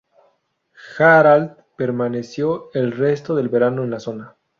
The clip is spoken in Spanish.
Harald permaneció el resto del verano en la zona.